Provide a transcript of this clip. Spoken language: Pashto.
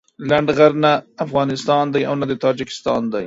لنډغر نه افغانستان دي او نه د تاجيکستان دي.